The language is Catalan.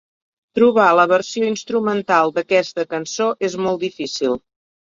Trobar la versió instrumental d'aquesta cançó és molt difícil.